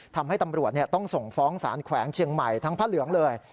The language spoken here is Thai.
ทำให้ตำรวจต้องส่งฟ้องสารแขวงเชียงใหม่ทั้งพระเหลืองเลย